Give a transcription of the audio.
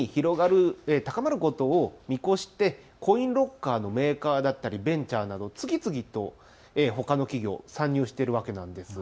この需要、さらに広がる、高まることを見越してコインロッカーのメーカーだったりベンチャーなど次々とほかの企業、参入しているわけなんです。